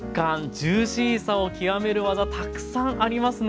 ジューシーさを極める技たくさんありますね。